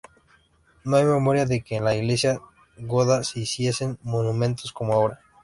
No hay memoria de que en la Iglesia goda se hiciesen Monumentos como ahora.